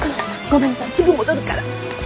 ごめんなさいすぐ戻るから。